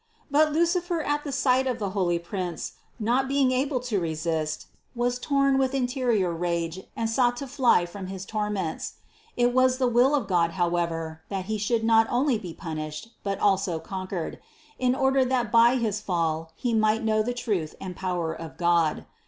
But Lucifer at the sight of the holy prince, not being able to resist, was torn with interior rage and sought to fly from his torments; it was the will of God, however, that he should not only be punished, but also conquered, in order that by his fall he might know the truth and power of God.